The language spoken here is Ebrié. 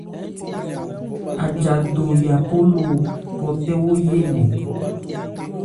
Aja do Yapo lo phɔtɛ́wo yé nne.